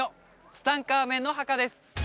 ツタンカーメンの墓です